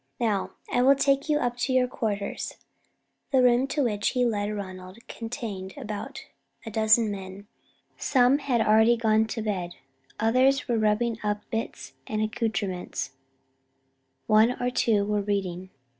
Now, I will take you up to your quarters." The room to which he led Ronald contained about a dozen men. Some had already gone to bed, others were rubbing up bits and accoutrements; one or two were reading.